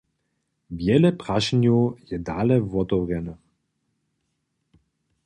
Wjele prašenjow je dale wotewrjenych.